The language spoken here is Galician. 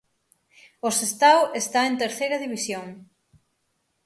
O Sestao está en Terceira División.